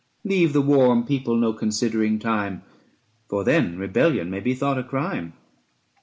Leave the warm people no considering time, For then rebellion may be thought a crime.